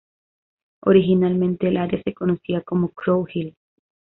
Originalmente, el área se conocía como Crow Hill.